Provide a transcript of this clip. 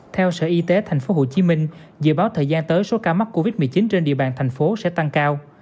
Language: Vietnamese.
theo sở y tế tp hcm dự báo thời gian tới số ca mắc covid một mươi chín trên địa bàn thành phố sẽ tăng cao